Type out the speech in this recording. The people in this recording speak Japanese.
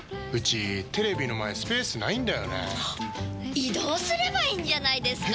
移動すればいいんじゃないですか？